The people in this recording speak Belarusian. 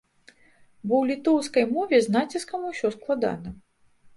Бо ў літоўскай мове з націскам усё складана.